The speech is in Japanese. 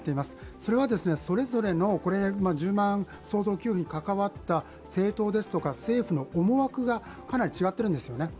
それはそれぞれの１０万相当給付に関わった政党ですとか政府の思惑がかなり違っているんですよね。